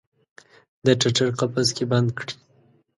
د ټټر قفس کې بند کړي